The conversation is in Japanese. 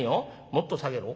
もっと下げろ？